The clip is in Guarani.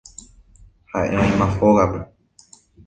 Ha'e oĩma hógape